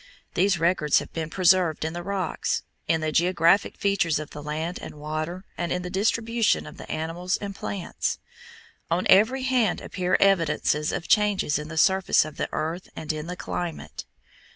These records have been preserved in the rocks, in the geographic features of the land and water, and in the distribution of the animals and plants. On every hand appear evidences of changes in the surface of the earth and in the climate.